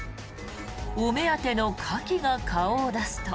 お目当てのカキが顔を出すと。